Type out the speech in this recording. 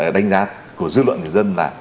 đánh giá của dư luận người dân là